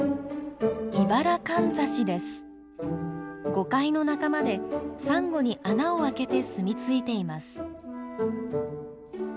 ゴカイの仲間でサンゴに穴を開けて住み着いています。